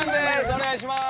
お願いします。